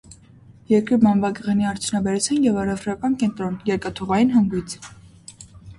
Երկրի բամբակեղենի արդյունաբերության և առևտրական կենտրոն, երկաթուղային հանգույց։